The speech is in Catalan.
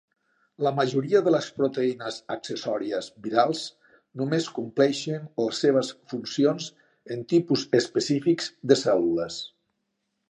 La majoria de les proteïnes accessòries virals només compleixen les seves funcions en tipus específics de cèl·lules.